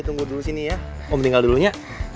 tunggu dulu sini ya om tinggal dulunya